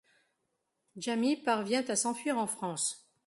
Jamie parvient à s'enfuir en France.